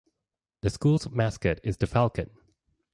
The school's mascot is the falcon.